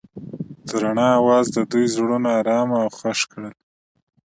د رڼا اواز د دوی زړونه ارامه او خوښ کړل.